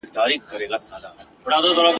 افغانان به د خپلواکۍ لپاره جنګيږي.